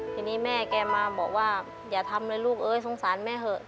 ทีนี้แม่แกมาบอกว่าอย่าทำเลยลูกเอ้ยสงสารแม่เถอะ